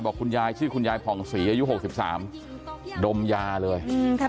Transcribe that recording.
บอกคุณยายชื่อคุณยายผ่องสีอายุหกสิบสามดมยาเลยอืมค่ะ